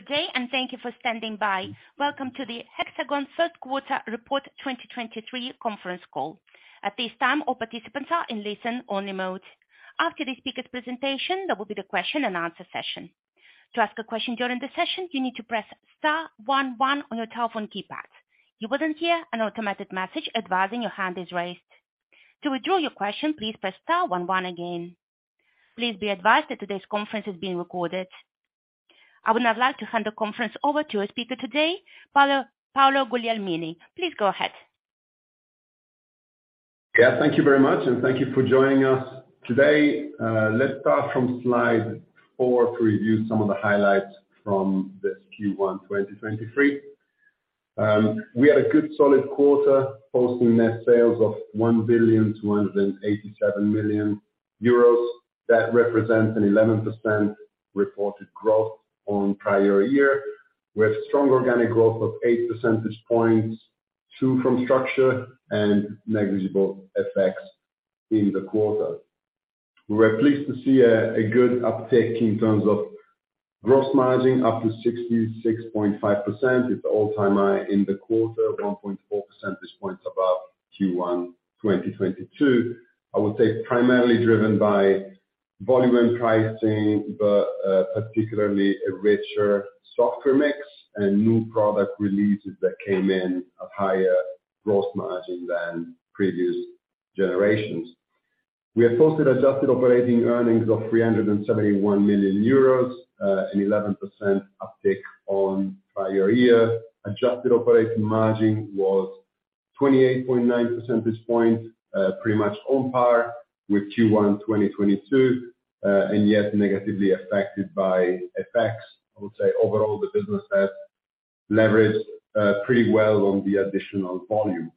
Good day, thank you for standing by. Welcome to the Hexagon Third Quarter Report 2023 Conference Call. At this time, all participants are in listen-only mode. After the speaker presentation, there will be the question and answer session. To ask a question during the session, you need to press star one one on your telephone keypad. You will hear an automated message advising your hand is raised. To withdraw your question, please press star one one again. Please be advised that today's conference is being recorded. I would now like to hand the conference over to our speaker today, Paolo Guglielmini. Please go ahead. Yeah, thank you very much, and thank you for joining us today. Let's start from slide four to review some of the highlights from this Q1 2023. We had a good solid quarter posting net sales of 1.287 billion. That represents an 11% reported growth on prior year, with strong organic growth of 8 percentage points, 2 from structure and negligible effects in the quarter. We were pleased to see a good uptake in terms of gross margin, up to 66.5%. It's all-time high in the quarter, 1.4 percentage points above Q1 2022. I would say primarily driven by volume and pricing, but particularly a richer software mix and new product releases that came in of higher gross margin than previous generations. We have posted adjusted operating earnings of 371 million euros, an 11% uptick on prior year. Adjusted operating margin was 28.9 percentage points, pretty much on par with Q1 2022, yet negatively affected by effects. I would say overall, the business has leveraged pretty well on the additional volume.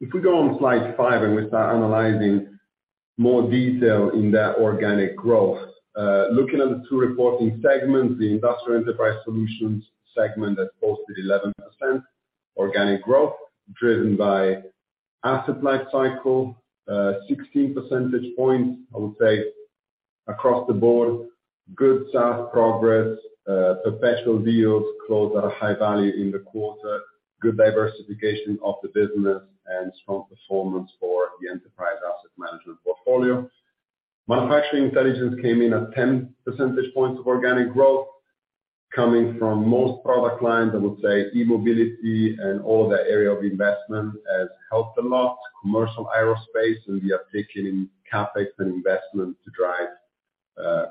If we go on slide five, we start analyzing more detail in that organic growth. Looking at the two reporting segments, the Industrial Enterprise Solutions segment that posted 11% organic growth driven by asset lifecycle, 16 percentage points, I would say across the board, good SaaS progress, professional deals closed at a high value in the quarter, good diversification of the business and strong performance for the enterprise asset management portfolio. Manufacturing Intelligence came in at 10 percentage points of organic growth coming from most product lines. I would say e-mobility and all of the area of investment has helped a lot. Commercial aerospace, we are taking CapEx and investment to drive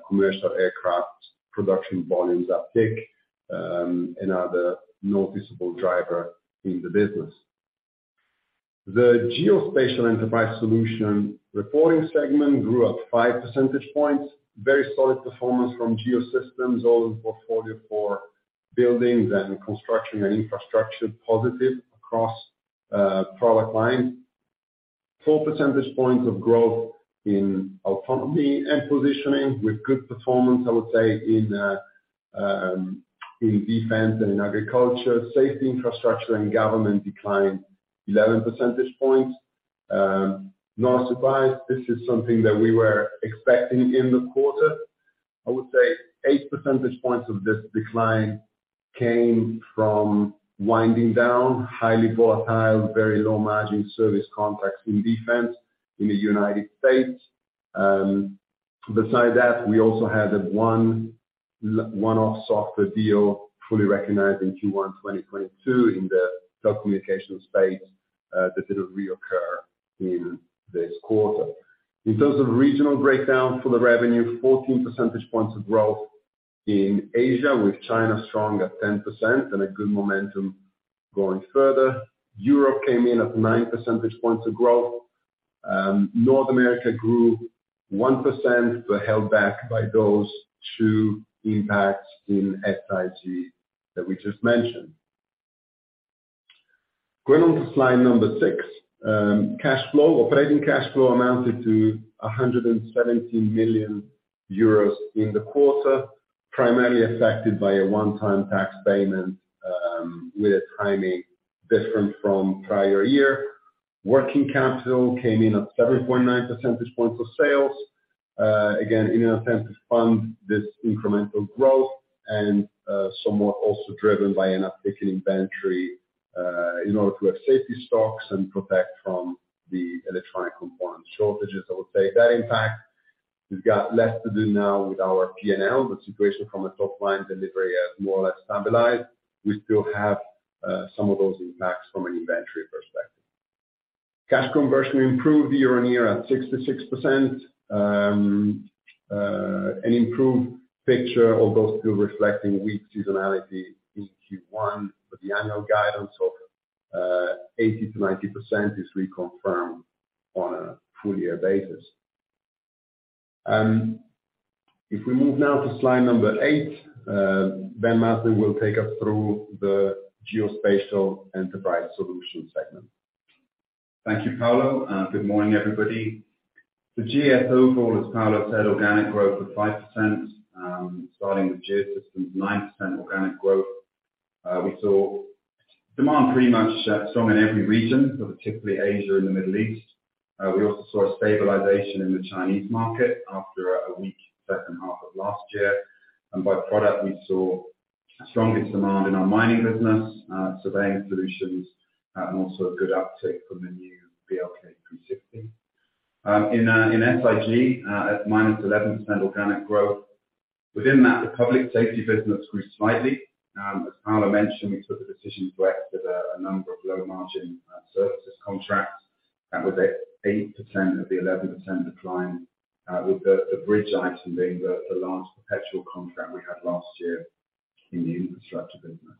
commercial aircraft production volumes uptick, another noticeable driver in the business. The Geospatial Enterprise Solutions reporting segment grew at 5 percentage points. Very solid performance from Geosystems, all in portfolio for buildings and construction and infrastructure positive across product line. 4 percentage points of growth in Autonomy & Positioning with good performance, I would say in defense and in agriculture. Safety, Infrastructure & Geospatial declined 11 percentage points. Not surprised. This is something that we were expecting in the quarter. I would say 8 percentage points of this decline came from winding down highly volatile, very low margin service contracts in defense in the United States. Besides that, we also had a one-off software deal fully recognized in Q1 2022 in the telecommunications space that didn't reoccur in this quarter. In terms of regional breakdown for the revenue, 14 percentage points of growth in Asia, with China strong at 10% and a good momentum going further. Europe came in at 9 percentage points of growth. North America grew 1%, but held back by those two impacts in SIG that we just mentioned. Going on to slide number six. Cash flow. Operating cash flow amounted to 117 million euros in the quarter, primarily affected by a one-time tax payment, with a timing different from prior year. Working capital came in at 7.9 percentage points of sales. Again, in an attempt to fund this incremental growth and somewhat also driven by an uptick in inventory in order to have safety stocks and protect from the electronic component shortages. I would say that impact we've got less to do now with our P&L, but situation from a top line delivery has more or less stabilized. We still have some of those impacts from an inventory perspective. Cash conversion improved year-on-year at 66%. An improved picture, although still reflecting weak seasonality in Q1. The annual guidance of 80%-90% is reconfirmed on a full year basis. If we move now to slide number eight, Ben Maslen will take us through the Geospatial Enterprise Solutions segment. Thank you, Paolo. Good morning, everybody. The GSO goal, as Paolo said, organic growth of 5%, starting with Geosystems, 9% organic growth. We saw demand pretty much strong in every region, but particularly Asia and the Middle East. We also saw a stabilization in the Chinese market after a weak second half of last year. By product, we saw strongest demand in our mining business, surveying solutions, and also a good uptake from the new BLK360. In SIG, at -11% organic growth. Within that, the public safety business grew slightly. As Paolo mentioned, we took the decision to exit a number of low margin services contracts. That was at 8% of the 11% decline, with the bridge item being the large perpetual contract we had last year in the infrastructure business.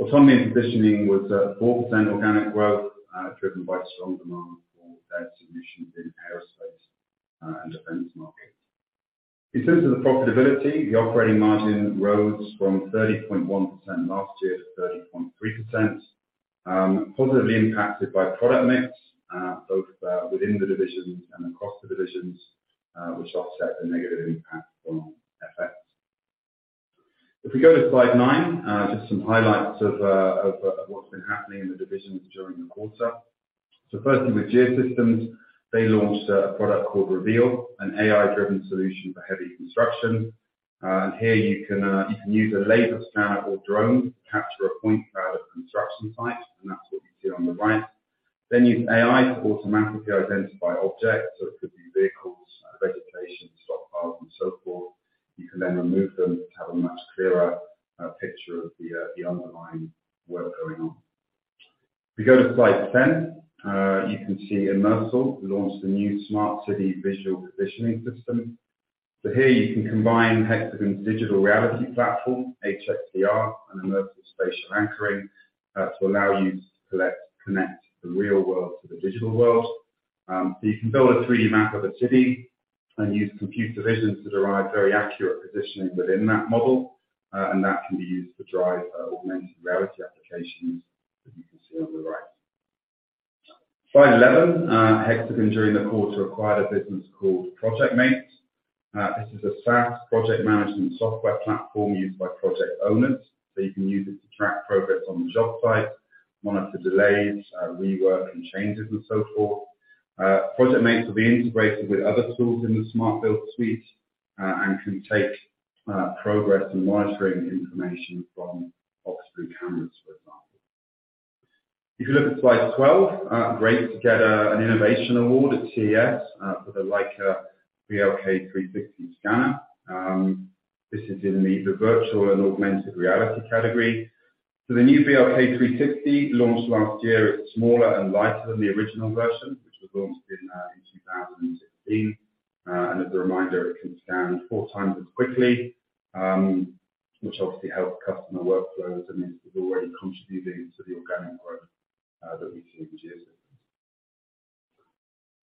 Autonomy & Positioning was 4% organic growth, driven by strong demand for their solutions in aerospace and defense markets. In terms of the profitability, the operating margin rose from 30.1% last year to 30.3%, positively impacted by product mix, both within the divisions and across the divisions, which offset the negative impact from FX. If we go to slide nine, just some highlights of what's been happening in the divisions during the quarter. Firstly with Geosystems, they launched a product called REVEAL, an AI-driven solution for heavy construction. Here you can use a laser scanner or drone to capture a point cloud of construction site, and that's what you see on the right. Use AI to automatically identify objects, so it could be vehicles, vegetation, stockpiles and so forth. You can then remove them to have a much clearer picture of the underlying work going on. If we go to slide 10, you can see Immersal launched a new smart city visual positioning system. Here you can combine Hexagon's digital reality platform, HxDR, and Immersal spatial anchoring to allow you to connect the real world to the digital world. You can build a 3D map of a city and use computer visions to derive very accurate positioning within that model. That can be used to drive augmented reality applications that you can see on the right. Slide 11. Hexagon during the quarter acquired a business called Projectmates. This is a SaaS project management software platform used by project owners. You can use it to track progress on the job site, monitor delays, rework and changes and so forth. Projectmates will be integrated with other tools in the Smart Build Suite, and can take progress and monitoring information from OxBlue cameras, for example. If you look at slide 12, great to get an innovation award at CES for the Leica BLK360 scanner. This is in the virtual and augmented reality category. The new BLK360 launched last year is smaller and lighter than the original version, which was launched in 2016. As a reminder, it can scan four times as quickly, which obviously helped customer workflows, and it's already contributing to the organic growth that we see with Geosystems.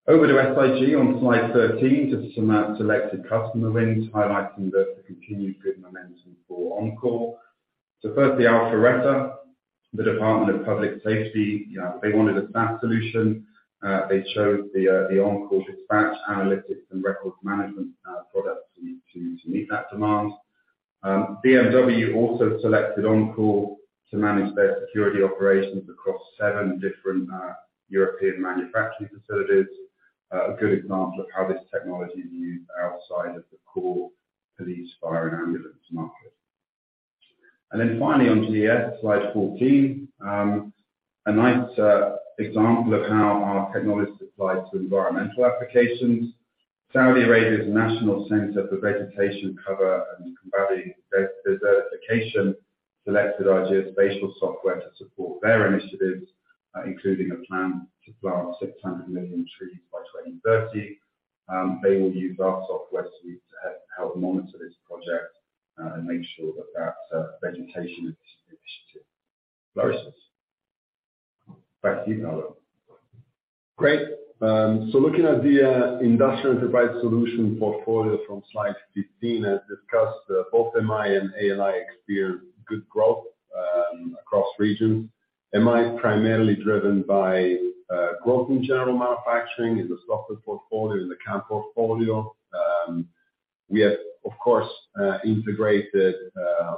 Over to SIG on slide 13. Just some selected customer wins highlighting the continued good momentum for OnCall. Firstly, Alpharetta, the Department of Public Safety, they wanted a SaaS solution. They chose the OnCall Dispatch analytics and records management product to meet that demand. BMW also selected OnCall to manage their security operations across seven different European manufacturing facilities. A good example of how this technology is used outside of the core police, fire and ambulance market. Finally on to the end, slide 14. A nice example of how our technology is applied to environmental applications. Saudi Arabia's National Center for Vegetation Cover and Combating Desertification selected our geospatial software to support their initiatives, including a plan to plant 600 million trees by 2030. They will use our software suite to help monitor this project and make sure that vegetation initiative flourishes. Back to you, Paolo. Great. Looking at the Industrial Enterprise Solutions portfolio from slide 15, as discussed, both MI and ALI experienced good growth across regions. MI primarily driven by growth in general manufacturing in the software portfolio, in the CAM portfolio. We have of course integrated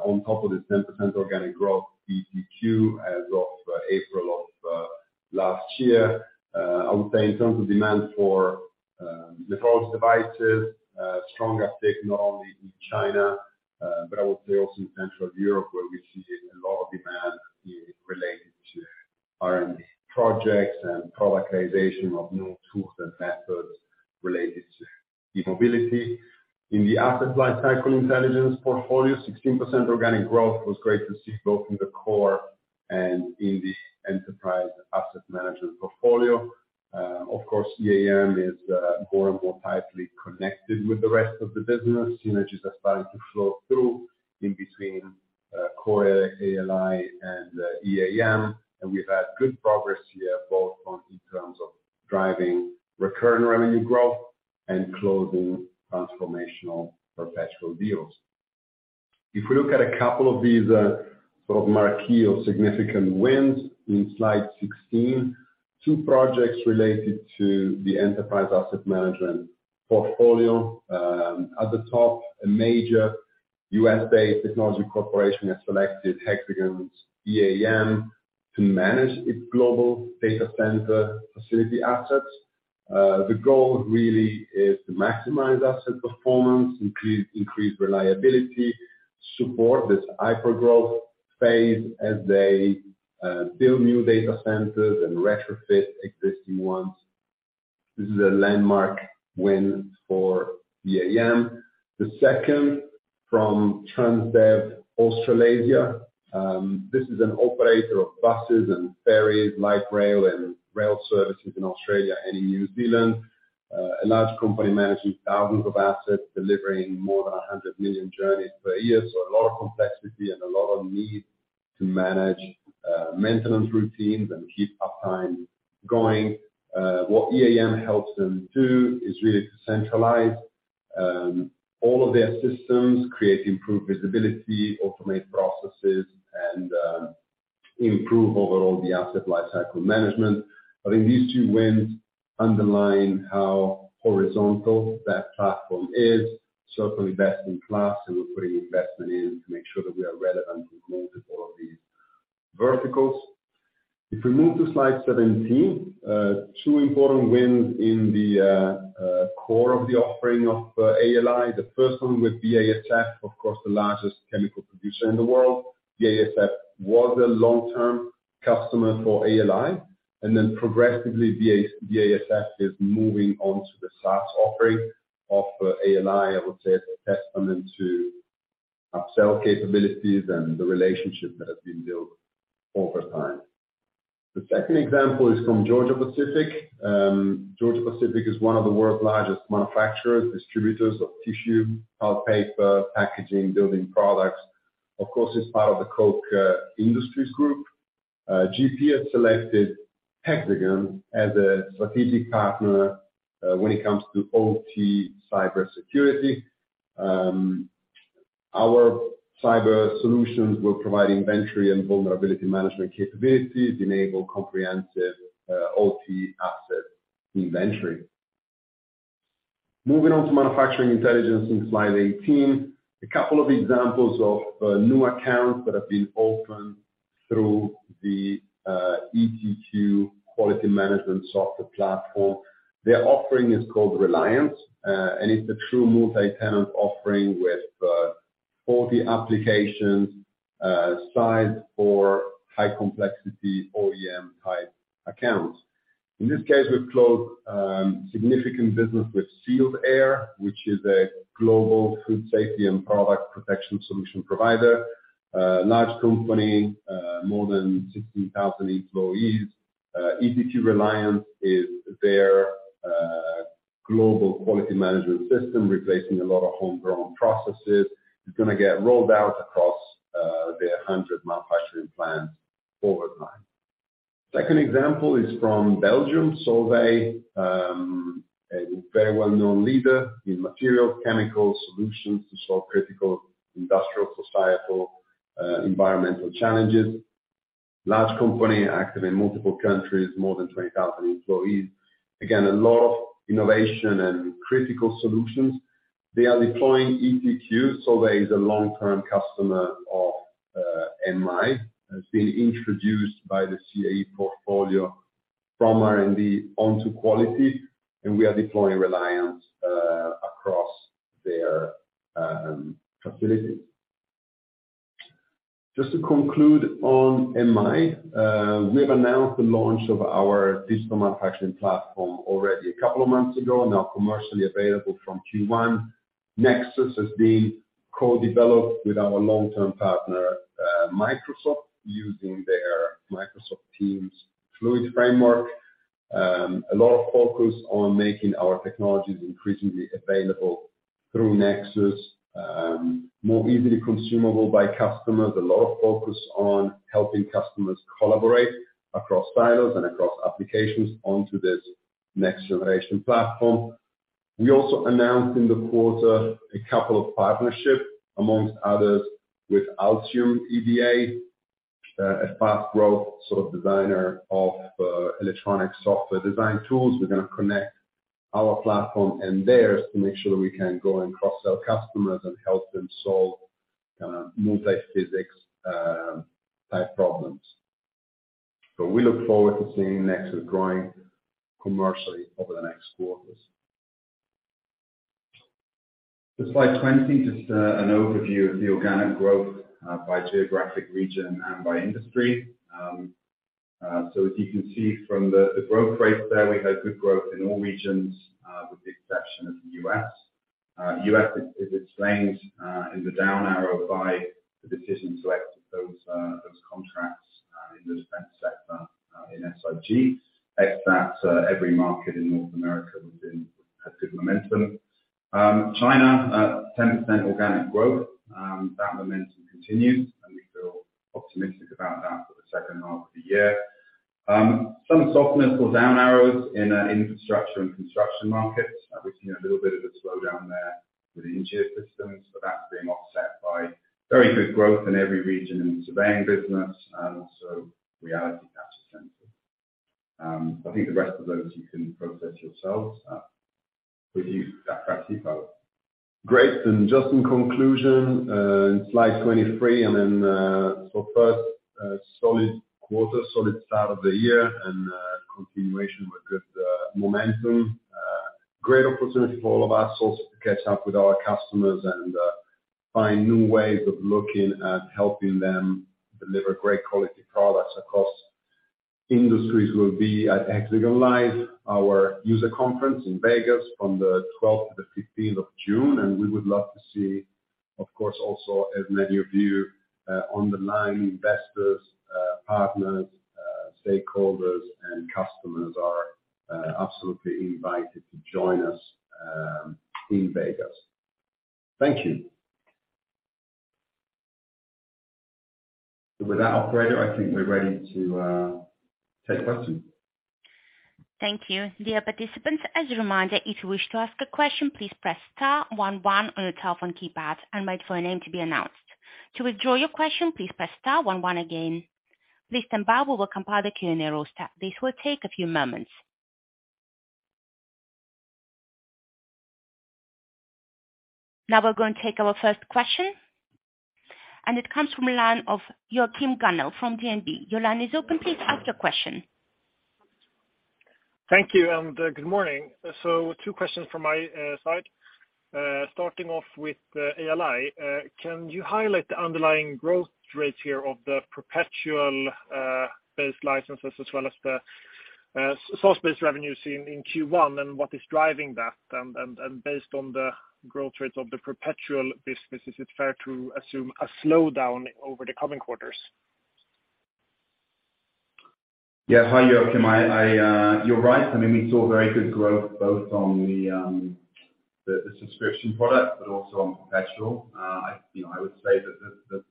on top of the 10% organic growth ETQ as of April of last year. I would say in terms of demand for the college devices, strong uptake not only in China, but I would say also in Central Europe, where we see a lot of demand related to R&D projects and productization of new tools and methods related to e-mobility. In the Asset Lifecycle Intelligence portfolio, 16% organic growth was great to see both in the core and in the Enterprise Asset Management portfolio. Of course, EAM is more and more tightly connected with the rest of the business. Synergies are starting to flow through in between core ALI and EAM, and we've had good progress here, both in terms of driving recurring revenue growth and closing transformational perpetual deals. We look at a couple of these, sort of marquee or significant wins in slide 16. Two projects related to the enterprise asset management portfolio. At the top, a major U.S.-based technology corporation has selected Hexagon's EAM to manage its global data center facility assets. The goal really is to maximize asset performance, increase reliability, support this hypergrowth phase as they build new data centers and retrofit existing ones. This is a landmark win for EAM. The second from Transdev Australasia. This is an operator of buses and ferries, light rail and rail services in Australia and in New Zealand. A large company managing thousands of assets, delivering more than 100 million journeys per year. A lot of complexity and a lot of need to manage maintenance routines and keep uptime going. What EAM helps them do is really to centralize all of their systems, create improved visibility, automate processes, and improve overall the asset lifecycle management. I think these two wins underline how horizontal that platform is. Certainly best in class, and we're putting investment in to make sure that we are relevant in multiple of these verticals. If we move to slide 17, two important wins in the core of the offering of ALI. The first one with BASF, of course, the largest chemical producer in the world. BASF was a long-term customer for ALI. Then progressively BASF is moving on to the SaaS offering of ALI. I would say it's a testament to upsell capabilities and the relationship that has been built over time. The second example is from Georgia-Pacific. Georgia-Pacific is one of the world's largest manufacturers, distributors of tissue, pulp, paper, packaging, building products. Of course, it's part of the Koch Industries group. GP has selected Hexagon as a strategic partner when it comes to OT cybersecurity. Our cyber solutions will provide inventory and vulnerability management capabilities, enable comprehensive OT asset inventory. Moving on to Manufacturing Intelligence in slide 18. A couple of examples of new accounts that have been opened through the ETQ quality management software platform. Their offering is called Reliance, and it's a true multi-tenant offering with 40 applications, sized for high complexity OEM-type accounts. In this case, we've closed significant business with Sealed Air, which is a global food safety and product protection solution provider. Large company, more than 16,000 employees. ETQ Reliance is their global quality management system, replacing a lot of homegrown processes. It's gonna get rolled out across their 100 manufacturing plants over time. Second example is from Belgium Solvay, a very well-known leader in material chemical solutions to solve critical industrial societal, environmental challenges. Large company, active in multiple countries, more than 20,000 employees. Again, a lot of innovation and critical solutions. They are deploying ETQ. Solvay is a long-term customer of MI, has been introduced by the CAE portfolio from R&D onto quality, and we are deploying Reliance across their facilities. Just to conclude on MI, we have announced the launch of our digital manufacturing platform already a couple of months ago, now commercially available from Q1. Nexus has been co-developed with our long-term partner, Microsoft, using their Microsoft Fluid Framework. A lot of focus on making our technologies increasingly available through Nexus, more easily consumable by customers. A lot of focus on helping customers collaborate across silos and across applications onto this next generation platform. We also announced in the quarter a couple of partnerships, amongst others, with Altium EDA, a fast growth sort of designer of electronic software design tools. We're gonna connect our platform and theirs to make sure that we can go and cross-sell customers and help them solve multi-physics type problems. We look forward to seeing Nexus growing commercially over the next quarters. To slide 20, just an overview of the organic growth by geographic region and by industry. As you can see from the growth rates there, we had good growth in all regions with the exception of the U.S. U.S. is explained in the down arrow by the decision to exit those contracts in the defense sector in SOG. Ex that, every market in North America has good momentum. China, 10% organic growth. That momentum continues, we feel optimistic about that for the second half of the year. Some softness or down arrows in infrastructure and construction markets. We've seen a little bit of a slowdown there. With the engineer systems, that's being offset by very good growth in every region in the surveying business and also reality capture centers. I think the rest of those you can process yourselves, with you. Great. Just in conclusion, in slide 23. First, solid quarter, solid start of the year and continuation with good momentum. Great opportunity for all of us also to catch up with our customers and find new ways of looking at helping them deliver great quality products across industries will be at HxGN LIVE, our user conference in Vegas from the 12th to the 15th of June. We would love to see, of course, also as many of you on the line investors, partners, stakeholders and customers are absolutely invited to join us in Vegas. Thank you. With that operator, I think we're ready to take questions. Thank you. Dear participants, as a reminder, if you wish to ask a question, please press star one one on your telephone keypad and wait for your name to be announced. To withdraw your question, please press star one one again. Please stand by, we will compile the Q&A roster. This will take a few moments. Now we're going to take our first question. It comes from the line of Joachim Gunell from DNB. Your line is open. Please ask your question. Thank you, and good morning. Two questions from my side. Starting off with ALI, can you highlight the underlying growth rates here of the perpetual based licenses as well as the source-based revenues in Q1 and what is driving that? Based on the growth rates of the perpetual business, is it fair to assume a slowdown over the coming quarters? Yeah. Hi, Joachim. You're right. I mean, we saw very good growth both on the subscription product, but also on perpetual. I, you know, I would say that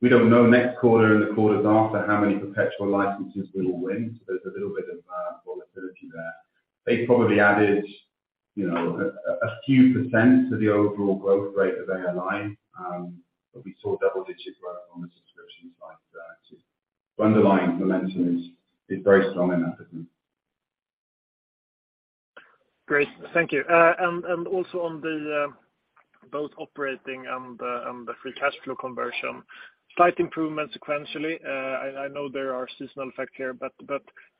we don't know next quarter and the quarters after how many perpetual licenses we will win, so there's a little bit of volatility there. They probably added, you know, a few % to the overall growth rate of ALI. We saw double-digit growth on the subscriptions like that. Underlying momentum is very strong in our business. Great. Thank you. Also on the both operating and the free cash flow conversion, slight improvement sequentially. I know there are seasonal effects here, but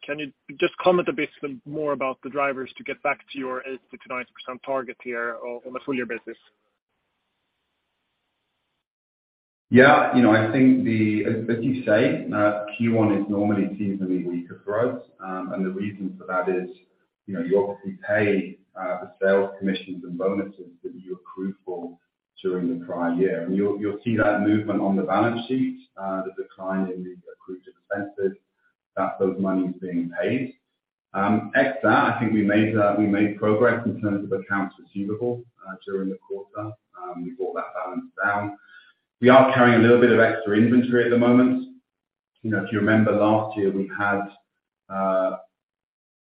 can you just comment a bit more about the drivers to get back to your 80%-90% target here on a full year basis? You know, I think as you say, Q1 is normally seasonally weaker growth. The reason for that is you know, you obviously pay the sales commissions and bonuses that you accrued for during the prior year. You'll see that movement on the balance sheet, the decline in the accrued expenses, that those monies being paid. X that, I think we made progress in terms of accounts receivable during the quarter. We brought that balance down. We are carrying a little bit of extra inventory at the moment. You know, if you remember last year, we had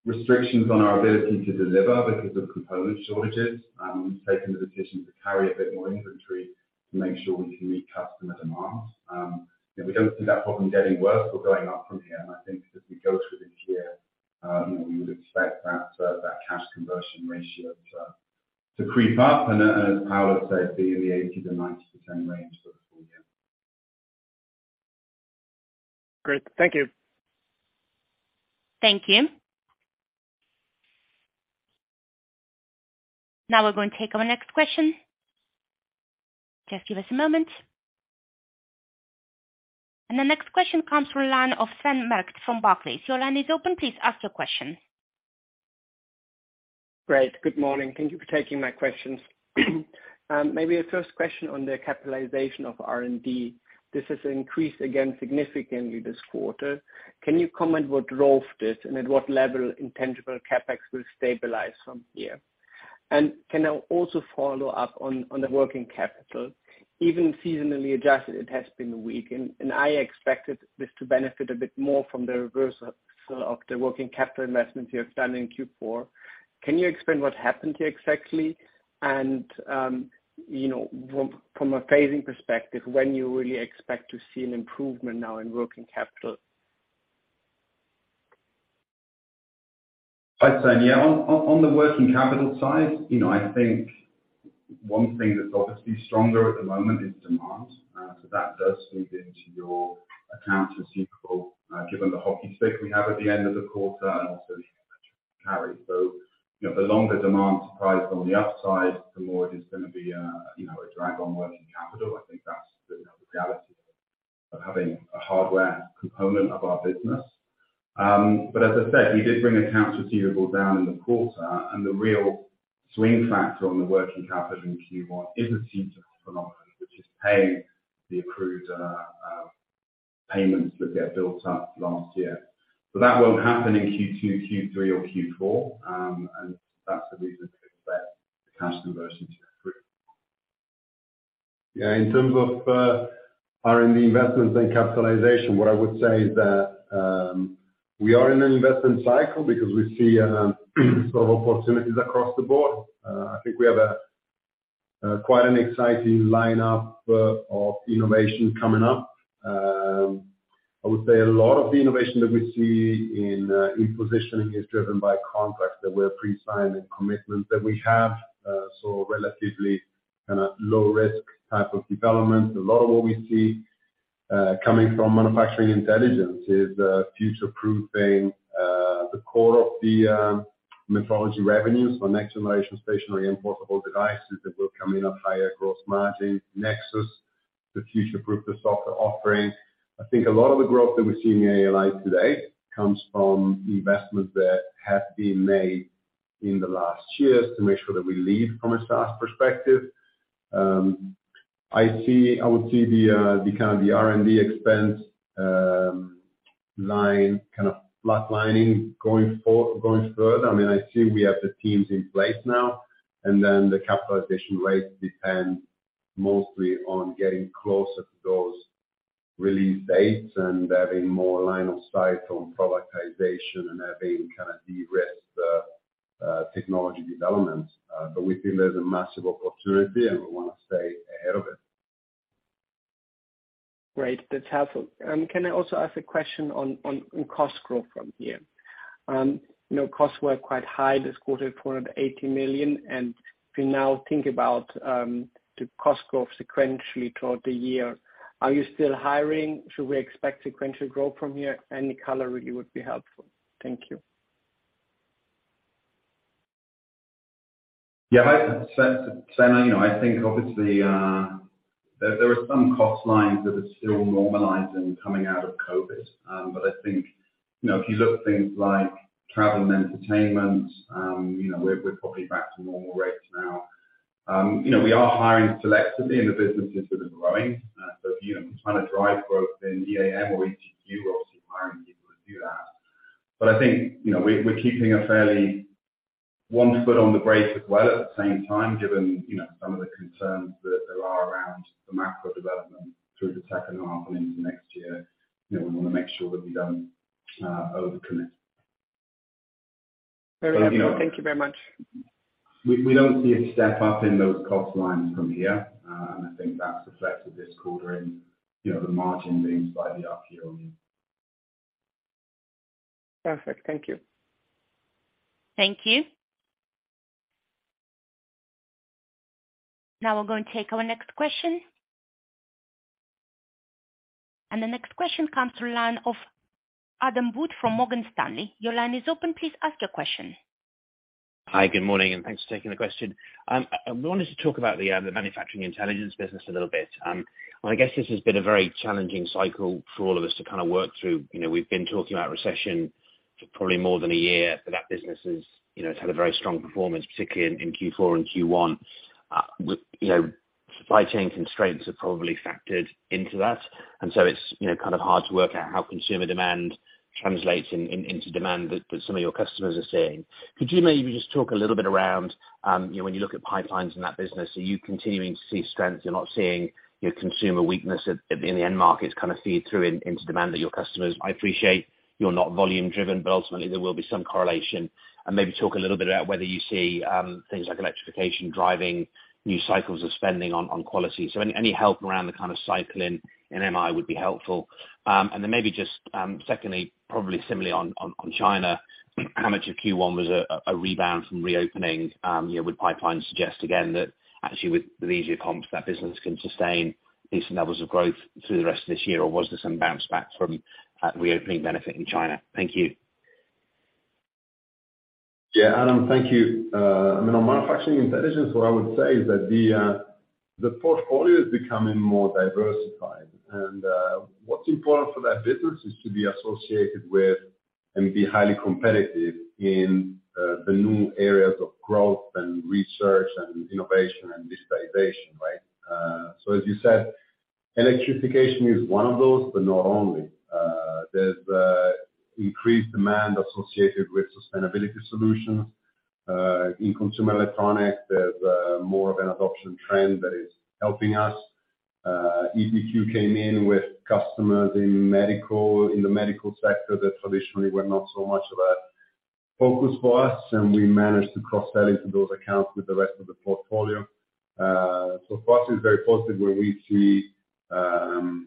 restrictions on our ability to deliver because of component shortages. We've taken the decision to carry a bit more inventory to make sure we can meet customer demand. You know, we don't see that problem getting worse or going up from here. I think as we go through this year, you know, we would expect that cash conversion ratio to creep up. As Paolo said, be in the 80%-90% range for the full year. Great. Thank you. Thank you. Now we're going to take our next question. Just give us a moment. The next question comes from line of Sven Merkt from Barclays. Your line is open. Please ask your question. Great. Good morning. Thank you for taking my questions. Maybe a first question on the capitalization of R&D. This has increased again significantly this quarter. Can you comment what drove this and at what level intangible CapEx will stabilize from here? Can I also follow up on the working capital? Even seasonally adjusted, it has been weak, and I expected this to benefit a bit more from the reversal of the working capital investments you have done in Q4. Can you explain what happened here exactly? You know, from a phasing perspective, when you really expect to see an improvement now in working capital? Hi, Sven. Yeah, on the working capital side, you know, I think one thing that's obviously stronger at the moment is demand. That does feed into your accounts receivable, given the hockey stick we have at the end of the quarter and also the inventory carry. You know, the longer demand surprise on the upside, the more it is gonna be, you know, a drag on working capital. I think that's the reality of having a hardware component of our business. As I said, we did bring accounts receivable down in the quarter, and the real swing factor on the working capital in Q1 is a seasonal phenomenon, which is paying the accrued payments that get built up last year. That won't happen in Q2, Q3, or Q4, and that's the reason to expect the cash conversion to improve. Yeah, in terms of R&D investments and capitalization, what I would say is that we are in an investment cycle because we see sort of opportunities across the board. I think we have a quite an exciting lineup of innovation coming up. I would say a lot of the innovation that we see in positioning is driven by contracts that were pre-signed and commitments that we have. Relatively kinda low risk type of development. A lot of what we see coming from Manufacturing Intelligence is future-proofing the core of the methodology revenues on next generation stationary and portable devices that will come in at higher gross margin. Nexus, to future-proof the software offering. I think a lot of the growth that we see in ALI today comes from investments that have been made in the last years to make sure that we lead from a SaaS perspective. I would see the kind of the R&D expense line kind of flatlining going further. I mean, I see we have the teams in place now, the capitalization rates depend mostly on getting closer to those release dates and having more line of sight on productization and having kind of de-risked technology developments. We feel there's a massive opportunity, and we wanna stay ahead of it. Great. That's helpful. Can I also ask a question on cost growth from here? You know, costs were quite high this quarter, 480 million. If we now think about the cost growth sequentially throughout the year, are you still hiring? Should we expect sequential growth from here? Any color really would be helpful. Thank you. Yeah. You know, I think obviously, there are some cost lines that are still normalizing coming out of COVID. I think, you know, if you look at things like travel and entertainment, you know, we're probably back to normal rates now. You know, we are hiring selectively in the businesses that are growing. You know, if we're trying to drive growth in EAM or ETQ, we're obviously hiring people to do that. I think, you know, we're keeping a fairly one foot on the brake as well at the same time, given, you know, some of the concerns that there are around the macro development through the second half and into next year. You know, we wanna make sure that we don't overcommit. Very helpful. Thank you very much. We don't see a step up in those cost lines from here, and I think that's reflected this quarter in, you know, the margin being slightly up year-over-year. Perfect. Thank you. Thank you. Now we're going to take our next question. The next question comes through line of Adam Wood from Morgan Stanley. Your line is open. Please ask your question. Hi, good morning. Thanks for taking the question. I wanted to talk about the Manufacturing Intelligence business a little bit. I guess this has been a very challenging cycle for all of us to kind of work through. You know, we've been talking about recession for probably more than a year, but that business is, you know, it's had a very strong performance, particularly in Q4 and Q1. With, you know, supply chain constraints have probably factored into that, it's, you know, kind of hard to work out how consumer demand translates into demand that some of your customers are seeing. Could you maybe just talk a little bit around, you know, when you look at pipelines in that business, are you continuing to see strength? You're not seeing your consumer weakness in the end markets kind of feed through into demand at your customers. I appreciate you're not volume driven, but ultimately there will be some correlation. Maybe talk a little bit about whether you see things like electrification driving new cycles of spending on quality. Any help around the kind of cycling in MI would be helpful. Secondly, probably similarly on China, how much of Q1 was a rebound from reopening? You know, would pipelines suggest again that actually with easier comps that business can sustain decent levels of growth through the rest of this year? Was this some bounce back from reopening benefit in China? Thank you. Yeah, Adam, thank you. I mean, on Manufacturing Intelligence, what I would say is that the portfolio is becoming more diversified. What's important for that business is to be associated with and be highly competitive in the new areas of growth and research and innovation and digitalization, right? As you said, electrification is one of those, but not only. There's increased demand associated with sustainability solutions in consumer electronics. There's more of an adoption trend that is helping us. ETQ came in with customers in medical, in the medical sector that traditionally were not so much of a focus for us, and we managed to cross-sell into those accounts with the rest of the portfolio. For us, it's very positive when we see sort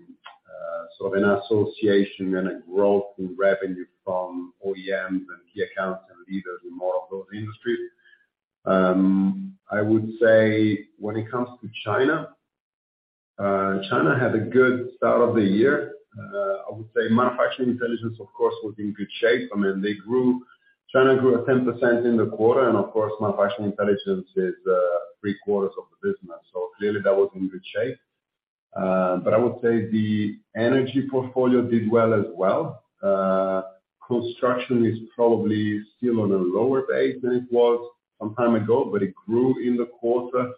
of an association and a growth in revenue from OEMs and key accounts and leaders in more of those industries. I would say when it comes to China had a good start of the year. I would say Manufacturing Intelligence, of course, was in good shape. China grew at 10% in the quarter, and of course, Manufacturing Intelligence is three-quarters of the business. Clearly that was in good shape. I would say the energy portfolio did well as well. Construction is probably still on a lower base than it was some time ago, it grew in the quarter.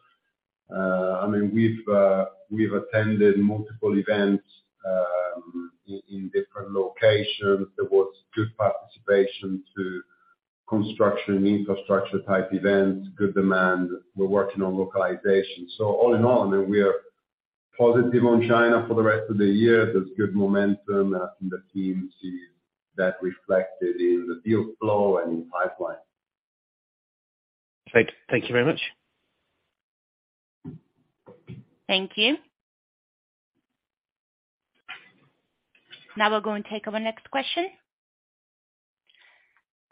We've attended multiple events in different locations. There was good participation to construction infrastructure type events, good demand. We're working on localization. All in all, we are positive on China for the rest of the year. There's good momentum from the team that reflected in the deal flow and pipeline. Thank you very much. Thank you. Now we're going to take our next question.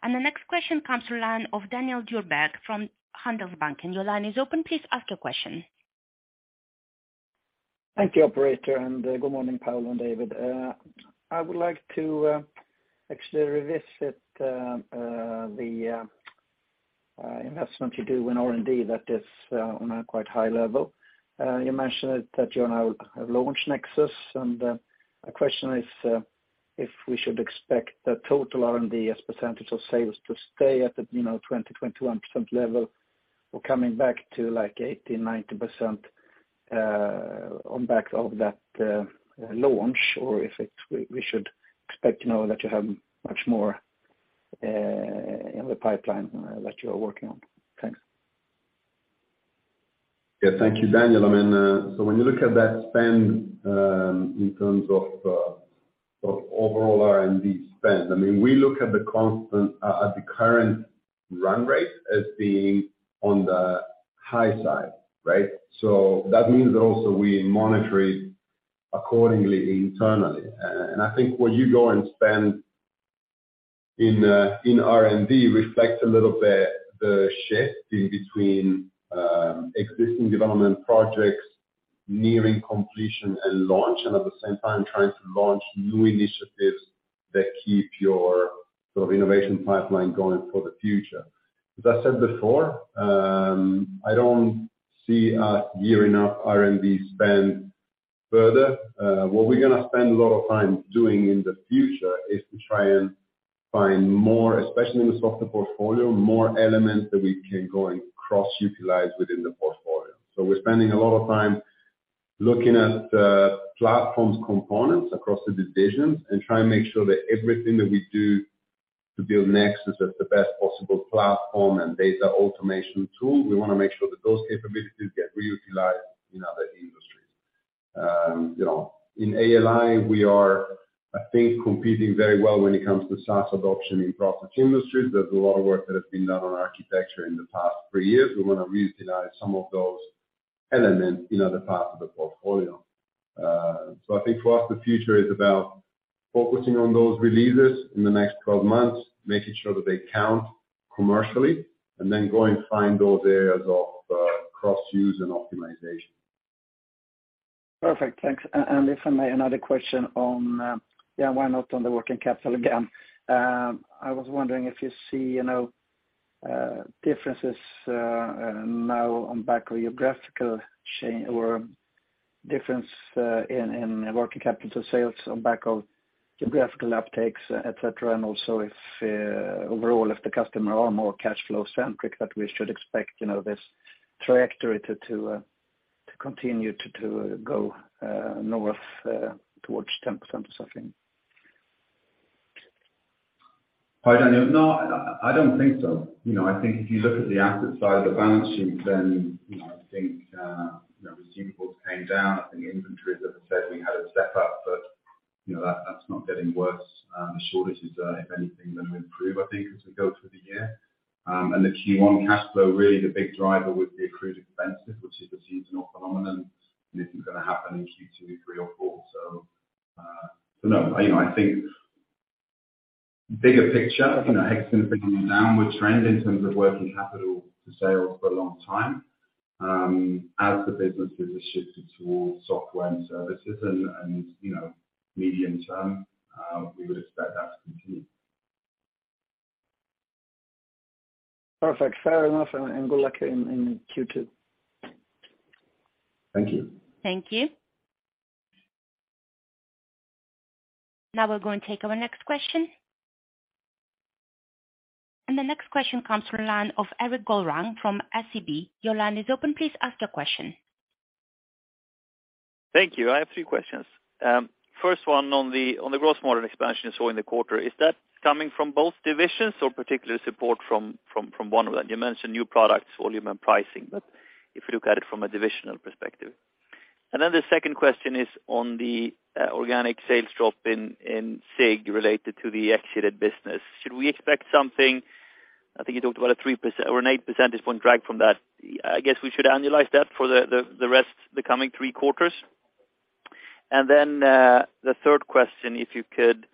The next question comes to line of Daniel Djurberg from Handelsbanken. Your line is open. Please ask your question. Thank you, operator, and good morning, Paolo and David. I would like to actually revisit the investment you do in R&D that is on a quite high level. You mentioned that you're now have launched Nexus. My question is if we should expect the total R&D as percentage of sales to stay at the, you know, 20%, 21% level or coming back to like 80%, 90% on back of that launch, or if we should expect, you know, that you have much more in the pipeline that you are working on. Thanks. Yeah, thank you, Daniel. I mean, so when you look at that spend, in terms of overall R&D spend, I mean, we look at the constant, at the current run rate as being on the high side, right? That means also we monitor it accordingly internally. I think where you go and spend in R&D reflects a little bit the shift in between existing development projects nearing completion and launch, and at the same time trying to launch new initiatives that keep your sort of innovation pipeline going for the future. As I said before, I don't see us gearing up R&D spend further. What we're gonna spend a lot of time doing in the future is to try and find more, especially in the software portfolio, more elements that we can go and cross-utilize within the portfolio. We're spending a lot of time looking at platforms components across the divisions and try and make sure that everything that we do to build Nexus as the best possible platform and data automation tool, we wanna make sure that those capabilities get reutilized in other industries. You know, in ALI, we are, I think, competing very well when it comes to SaaS adoption in process industries. There's a lot of work that has been done on architecture in the past 3 years. We wanna reutilize some of those elements in other parts of the portfolio. I think for us, the future is about focusing on those releases in the next 12 months, making sure that they count commercially, and then go and find those areas of cross-use and optimization. Perfect. Thanks. If I may, another question on, yeah, why not on the working capital again? I was wondering if you see, you know, differences now on back of geographical change or difference in working capital to sales on back of geographical uptakes, et cetera. Also if, overall, if the customer are more cash flow-centric, that we should expect, you know, this trajectory to continue to go north towards 10% or something. Hi, Daniel. I don't think so. You know, I think if you look at the asset side of the balance sheet, you know, I think, you know, receivables came down. I think inventories, as I said, we had a step up, you know, that's not getting worse. The shortages, if anything, improve, I think, as we go through the year. The Q1 cash flow, really the big driver would be accrued expenses, which is a seasonal phenomenon, and isn't gonna happen in Q2, 3 or 4. So no, you know, I think bigger picture, you know, it's been a downward trend in terms of working capital to sales for a long time, as the business has shifted towards software and services and, you know, medium term, we would expect that to continue. Perfect. Fair enough, and good luck in Q2. Thank you. Thank you. Now we're going to take our next question. The next question comes from line of Erik Golrang from SEB. Your line is open. Please ask your question. Thank you. I have three questions. First one on the gross margin expansion you saw in the quarter. Is that coming from both divisions or particular support from one of them? You mentioned new products, volume and pricing. If you look at it from a divisional perspective. The second question is on the organic sales drop in SIG related to the exited business. Should we expect something? I think you talked about a 3% or an 8 percentage point drag from that. I guess we should annualize that for the rest, the coming three quarters. The third question, if you could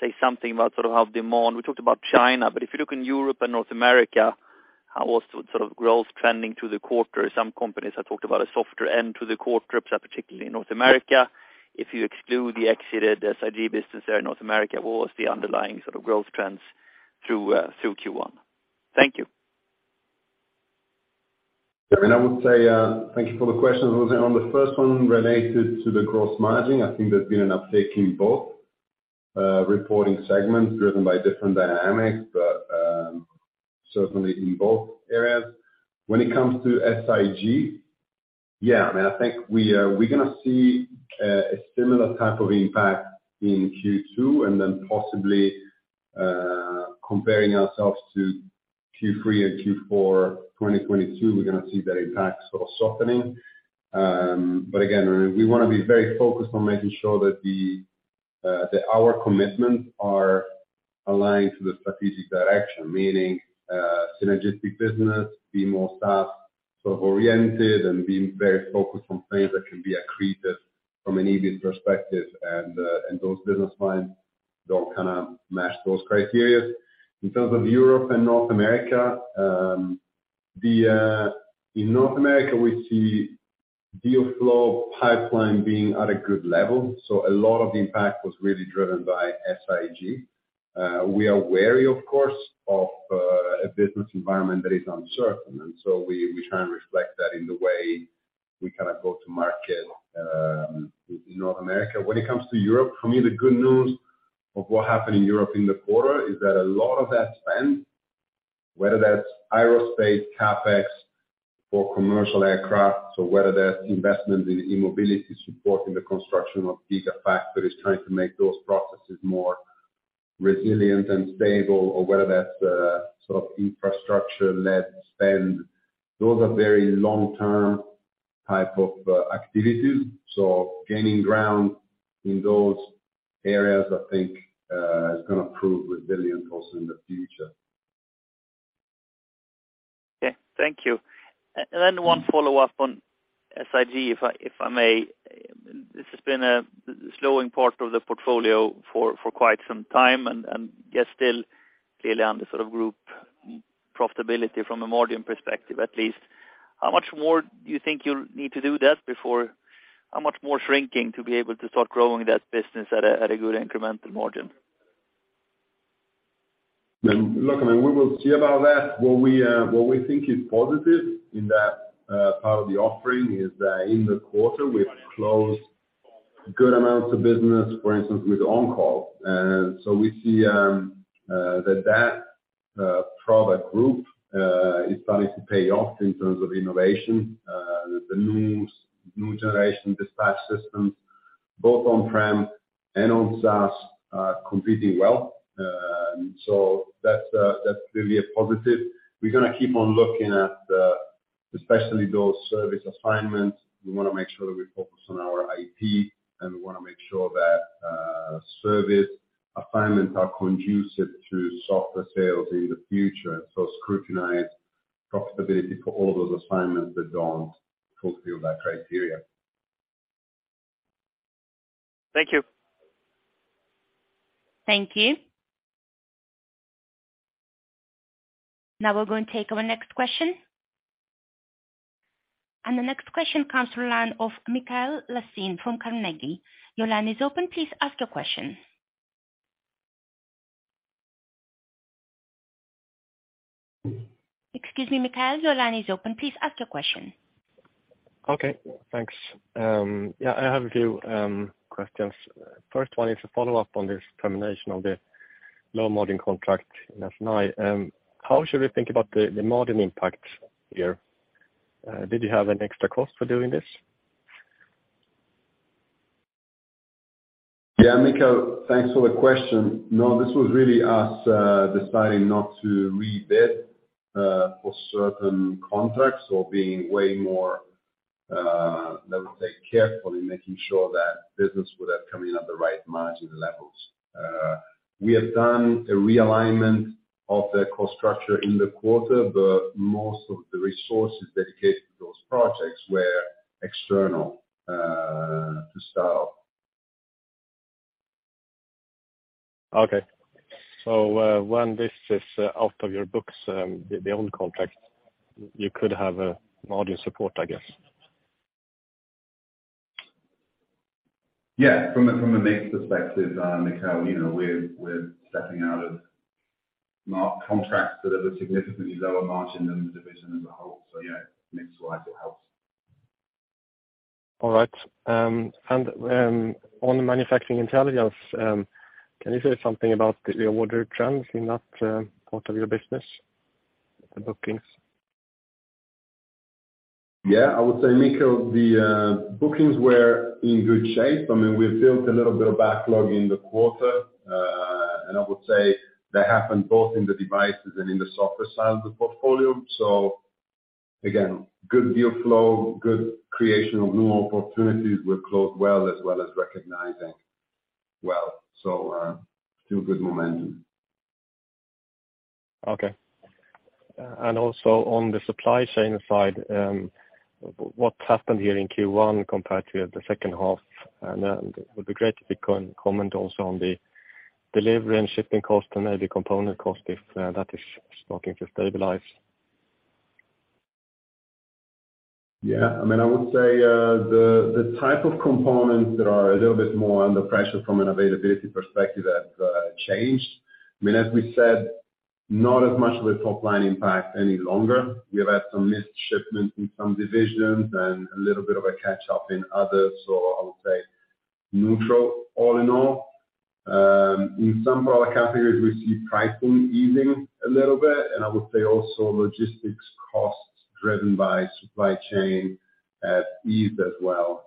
say something about sort of how demand. We talked about China, but if you look in Europe and North America, how was sort of growth trending through the quarter? Some companies have talked about a softer end to the quarter, particularly in North America. If you exclude the exited, SIG business there in North America, what was the underlying sort of growth trends through Q1? Thank you. I would say, thank you for the question. On the first one related to the gross margin, I think there's been an uptake in both reporting segments driven by different dynamics. Certainly in both areas. When it comes to SIG, yeah, I mean, I think we're gonna see a similar type of impact in Q2 and then possibly, comparing ourselves to Q3 and Q4 2022, we're gonna see that impact sort of softening. Again, I mean, we wanna be very focused on making sure that our commitments are aligned to the strategic direction. Meaning, synergistic business, be more staff sort of oriented and being very focused on things that can be accretive from an EBIT perspective. Those business lines don't kinda match those criteria. In terms of Europe and North America, In North America, we see deal flow pipeline being at a good level, so a lot of the impact was really driven by SIG. We are wary of course of a business environment that is uncertain, so we try and reflect that in the way we kinda go to market in North America. When it comes to Europe, for me, the good news of what happened in Europe in the quarter is that a lot of that spend, whether that's aerospace CapEx for commercial aircraft or whether that's investment in eMobility supporting the construction of gigafactories trying to make those processes more resilient and stable or whether that's sort of infrastructure-led spend, those are very long-term type of activities. Gaining ground in those areas I think, is gonna prove resilience also in the future. Okay. Thank you. Then one follow-up on SIG if I may? This has been a slowing part of the portfolio for quite some time and yet still clearly on the sort of group profitability from a margin perspective at least. How much more do you think you'll need to do that before? How much more shrinking to be able to start growing that business at a good incremental margin? Look, I mean, we will see about that. What we think is positive in that part of the offering is that in the quarter we've closed good amounts of business, for instance, with OnCall. We see that product group is starting to pay off in terms of innovation. The new generation dispatch systems, both on-prem and on SaaS are competing well. That's really a positive. We're gonna keep on looking at especially those service assignments. We wanna make sure that we focus on our IP, and we wanna make sure that service assignments are conducive to software sales in the future, so scrutinize profitability for all of those assignments that don't fulfill that criteria. Thank you. Thank you. Now we're going to take our next question. The next question comes from line of Mikael Laséen from Carnegie. Your line is open. Please ask your question. Excuse me, Mikael. Your line is open. Please ask your question. Okay. Thanks. I have a few questions. First one is a follow-up on this termination of the low-margin contract in ENI. How should we think about the margin impact here? Did you have an extra cost for doing this? Yeah, Mikael, thanks for the question. This was really us, deciding not to rebid, for certain contracts or being way more, let me say, careful in making sure that business would have coming at the right margin levels. We have done a realignment of the cost structure in the quarter, but most of the resources dedicated to those projects were external, to start off. Okay. When this is out of your books, the old contract, you could have a margin support, I guess. Yeah. From a mix perspective, Mikael Laséen, you know, we're stepping out of contracts that have a significantly lower margin than the division as a whole. Yeah, mix-wise, it helps. All right. On Manufacturing Intelligence, can you say something about the order trends in that part of your business, the bookings? I would say, Mikael, the bookings were in good shape. I mean, we've built a little bit of backlog in the quarter. I would say that happened both in the devices and in the software side of the portfolio. Again, good deal flow, good creation of new opportunities were closed well as well as recognizing well. Still good momentum. Okay. Also on the supply chain side, what's happened here in Q1 compared to the second half? It would be great if you can comment also on the delivery and shipping cost and any component cost if that is starting to stabilize. Yeah. I mean, I would say, the type of components that are a little bit more under pressure from an availability perspective have changed. I mean, as we said, not as much of a top-line impact any longer. We have had some missed shipments in some divisions and a little bit of a catch-up in others. I would say neutral all in all. In some product categories we see pricing easing a little bit, and I would say also logistics costs driven by supply chain have eased as well,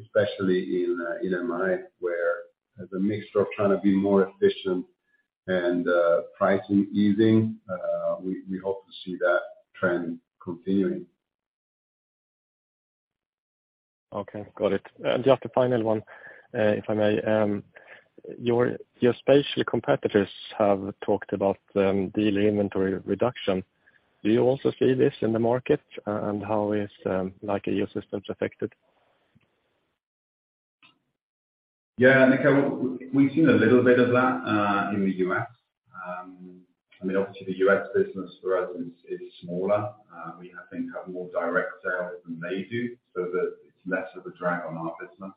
especially in MI, where there's a mixture of trying to be more efficient and pricing easing. We hope to see that trend continuing. Okay, got it. Just a final one, if I may. Your spatial competitors have talked about dealer inventory reduction. Do you also see this in the market? And how is, like, your systems affected? Yeah. Mikael, we've seen a little bit of that in the U.S. I mean, obviously the U.S. business for us is smaller. We I think have more direct sales than they do, so that it's less of a drag on our business.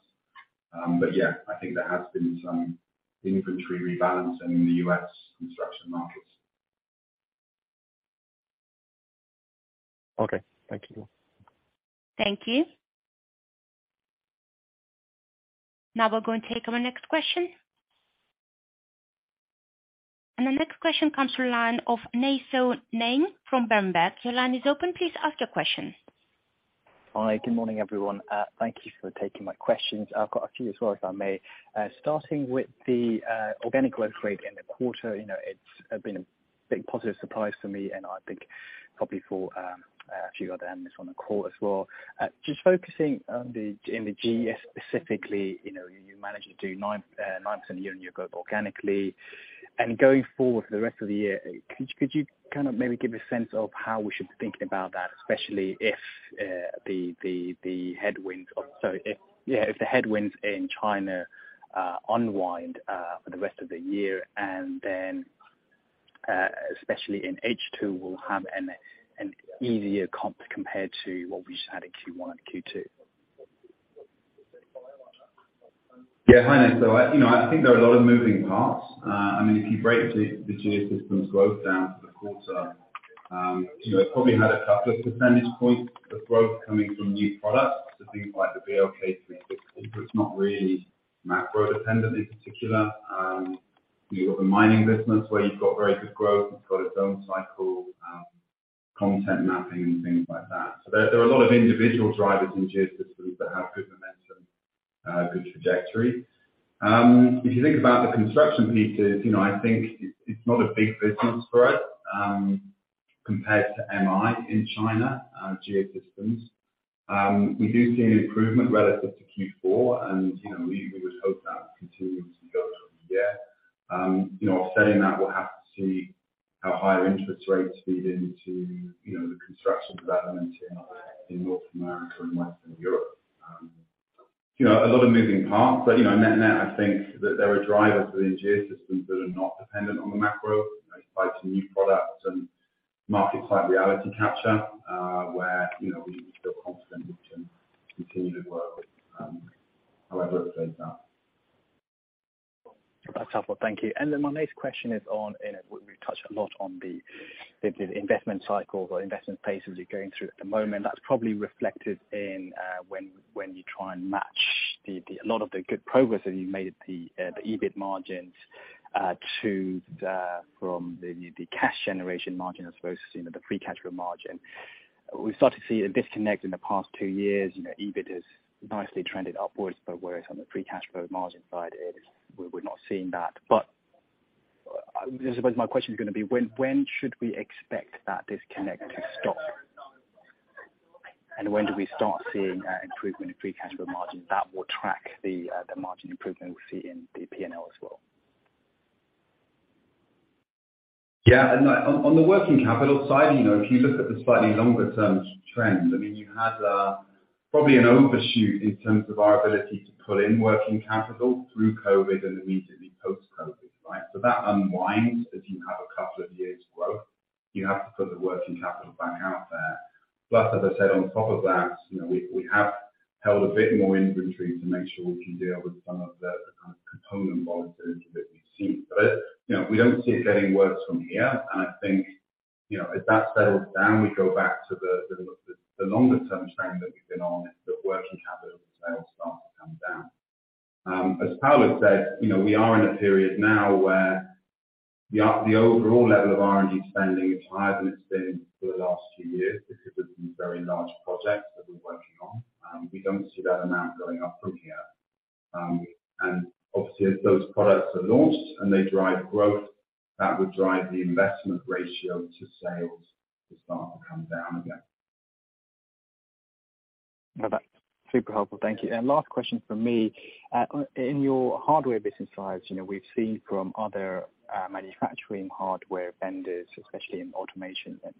Yeah, I think there has been some inventory rebalance in the U.S. construction markets. Okay. Thank you. Thank you. The next question comes from line of Nay Soe Naing from Berenberg. Your line is open. Please ask your question. Hi, good morning, everyone. Thank you for taking my questions. I've got a few as well, if I may. Starting with the organic growth rate in the quarter, you know, it's been a big positive surprise for me, and I think probably for a few other analysts on the call as well. Just focusing on the in the GS specifically, you know, you managed to do 9% year-over-year growth organically. Going forward for the rest of the year, could you kind of maybe give a sense of how we should be thinking about that, especially if the headwinds of... If the headwinds in China unwind for the rest of the year, especially in H2, we'll have an easier comp compared to what we just had in Q1 and Q2? Yeah. Hi, Nay Soe. You know, I think there are a lot of moving parts. I mean, if you break the Geosystems growth down for the quarter, you know, it's probably had a couple of percentage points of growth coming from new products. Things like the BLK360, so it's not really macro-dependent in particular. You've got the mining business where you've got very good growth. It's got its own cycle, content mapping and things like that. There are a lot of individual drivers in Geosystems that have good momentum, good trajectory. If you think about the construction pieces, you know, I think it's not a big business for us, compared to MI in China, Geosystems. We do see an improvement relative to Q4, and, you know, we would hope that continuing to go through the year. You know, saying that, we'll have to see how higher interest rates feed into, you know, the construction development in North America and Western Europe. You know, a lot of moving parts. You know, net, I think that there are drivers within Geosystems that are not dependent on the macro. You know, tied to new products and markets like reality capture, where, you know, we feel confident we can continue to grow, however it plays out. That's helpful. Thank you. My next question is on, and it we've touched a lot on the investment cycle or investment phases you're going through at the moment. That's probably reflected in when you try and match the a lot of the good progress that you made at the EBIT margins to the from the cash generation margin as opposed to, you know, the free cash flow margin. We started to see a disconnect in the past 2 years. You know, EBIT has nicely trended upwards, but whereas on the free cash flow margin side, we're not seeing that. I suppose my question is gonna be when should we expect that disconnect to stop? When do we start seeing improvement in free cash flow margin that will track the margin improvement we see in the P&L as well? No, on the working capital side, you know, if you look at the slightly longer term trend, I mean, you had probably an overshoot in terms of our ability to pull in working capital through COVID and immediately post-COVID, right? That unwinds as you have a couple of years growth. You have to put the working capital back out there. Plus, as I said, on top of that, you know, we have held a bit more inventory to make sure we can deal with some of the kind of component volatility that we've seen. You know, we don't see it getting worse from here. I think, you know, as that settles down, we go back to the longer term trend that we've been on as the working capital sales starts to come down. As Paolo said, you know, we are in a period now where the overall level of R&D spending is higher than it's been for the last two years because of these very large projects that we're working on. We don't see that amount going up from here. Obviously, as those products are launched and they drive growth, that would drive the investment ratio to sales to start to come down again. No, that's super helpful. Thank you. Last question from me. In your hardware business slides, you know, we've seen from other manufacturing hardware vendors, especially in automation and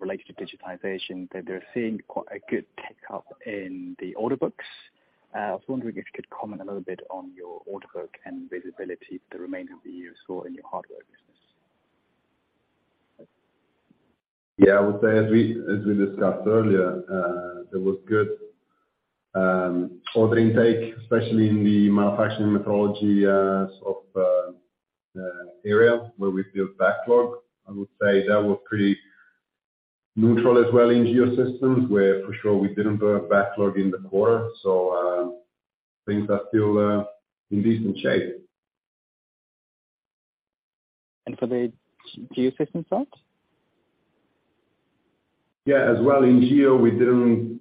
related to digitization, that they're seeing quite a good tick up in the order books. I was wondering if you could comment a little bit on your order book and visibility for the remainder of the year in your hardware business. Yeah. I would say as we discussed earlier, there was good order intake, especially in the Manufacturing Intelligence, sort of, area where we build backlog. I would say that will create. Neutral as well in Geosystems, where for sure we didn't build backlog in the quarter. Things are still in decent shape. For the Geosystems side? Yeah, as well in Geo, we didn't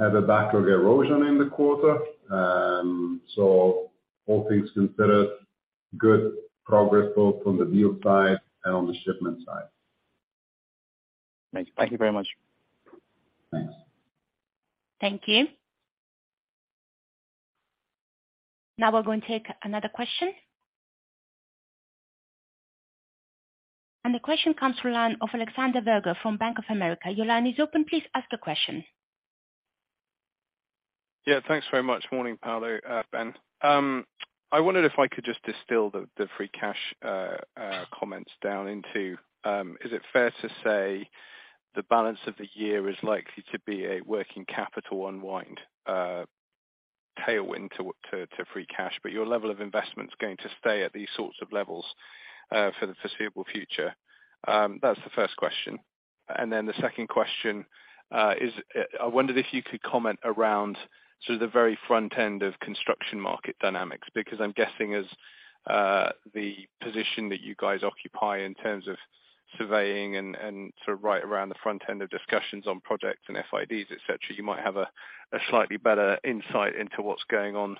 have a backlog erosion in the quarter. All things considered, good progress both on the bill side and on the shipment side. Thank you very much. Thanks. Thank you. Now we're going to take another question. The question comes from line of Alexander Virgo from Bank of America. Your line is open. Please ask a question. Yeah, thanks very much. Morning, Paolo, Ben. I wondered if I could just distill the free cash comments down into, is it fair to say the balance of the year is likely to be a working capital unwind tailwind to free cash, but your level of investment is going to stay at these sorts of levels for the foreseeable future? That's the first question. The second question is, I wondered if you could comment around sort of the very front end of construction market dynamics. Because I'm guessing as the position that you guys occupy in terms of surveying and sort of right around the front end of discussions on projects and FIDs, et cetera, you might have a slightly better insight into what's going on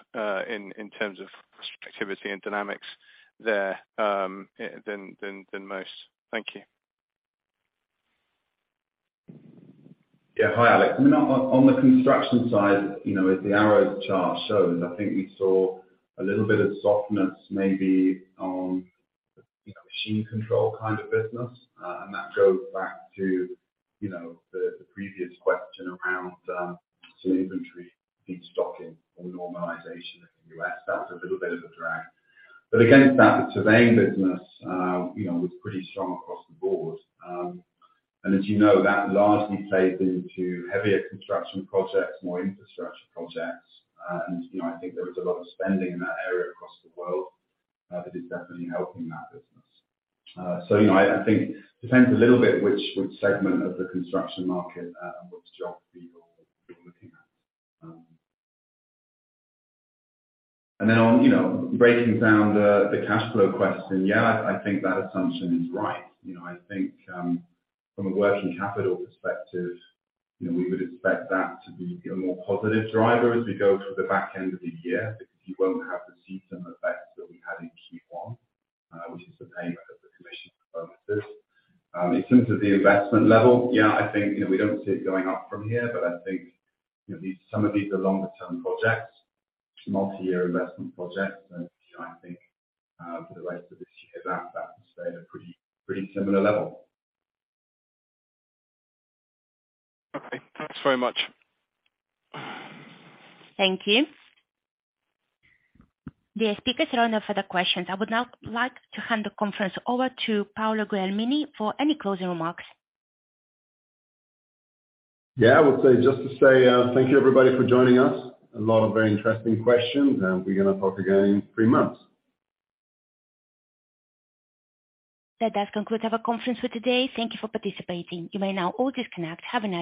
in terms of activity and dynamics there than most. Thank you. Hi, Alex. I mean, on the construction side, you know, as the arrow chart shows, I think we saw a little bit of softness maybe on, you know, machine control kind of business. That goes back to, you know, the previous question around sort of inventory, destocking or normalization in the U.S. That's a little bit of a drag. Again, that surveying business, you know, was pretty strong across the board. As you know, that largely plays into heavier construction projects, more infrastructure projects. I think there is a lot of spending in that area across the world that is definitely helping that business. I think depends a little bit which segment of the construction market and which geography you're looking at. Then on, you know, breaking down the cash flow question, yeah, I think that assumption is right. You know, I think, from a working capital perspective, you know, we would expect that to be a more positive driver as we go through the back end of the year, because you won't have the season effects that we had in Q1, which is the payment of the commission performances. In terms of the investment level, yeah, I think, you know, we don't see it going up from here, but I think, you know, some of these are longer term projects, multi-year investment projects. You know, I think, for the rest of this year, that will stay at a pretty similar level. Okay, thanks very much. Thank you. The speakers are on for the questions. I would now like to hand the conference over to Paolo Guglielmini for any closing remarks. Yeah, I would say just to say, thank you, everybody, for joining us. A lot of very interesting questions. We're gonna talk again in three months. That does conclude our conference for today. Thank You for participating. You may now all disconnect. Have a nice day.